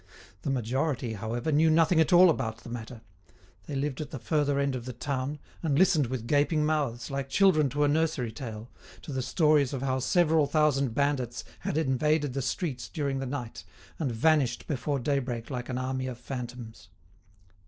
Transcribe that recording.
The majority, however, knew nothing at all about the matter; they lived at the further end of the town, and listened with gaping mouths, like children to a nursery tale, to the stories of how several thousand bandits had invaded the streets during the night and vanished before daybreak like an army of phantoms.